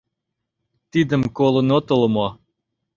Тидым колын отыл мо?..